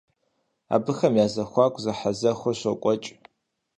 Абыхэм я зэхуаку зэхьэзэхуэ щокӏуэкӏ.